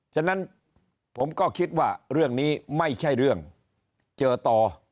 ฉะนั้นผมก็คิดว่าเรื่องนี้ไม่ใช่เรื่องเจอต่อ